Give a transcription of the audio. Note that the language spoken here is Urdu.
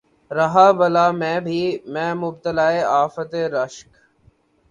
رہا بلا میں بھی میں مبتلائے آفت رشک